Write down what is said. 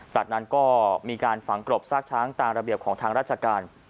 จากนั้นก็มีการฝังกรบซากช้างตามระเบียบของทางราชการ